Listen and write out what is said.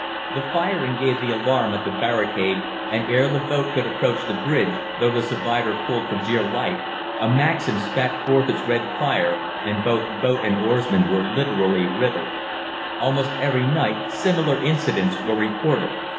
"The firing gave the alarm at the barricade, and ere the boat could approach the bridge, though the survivor pulled for dear life, a Maxim spat forth its red fire, and both boat and oarsman were literally riddled. "Almost every night similar incidents were reported.